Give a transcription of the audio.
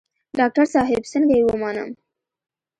ډاکتر صاحب څنګه يې ومنم.